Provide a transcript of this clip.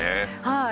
はい。